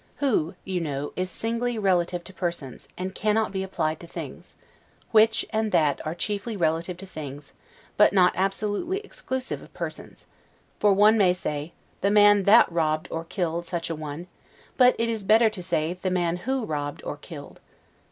WHO, you know, is singly relative to persons, and cannot be applied to things; WHICH and THAT are chiefly relative to things, but not absolutely exclusive of persons; for one may say, the man THAT robbed or killed such a one; but it is better to say, the man WHO robbed or killed.